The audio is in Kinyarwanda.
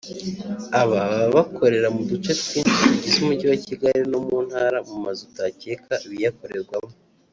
Aba baba bakorera mu duce twinshi tugize umujyi wa Kigali no mu ntara mu mazu utakeka ibiyakorerwamo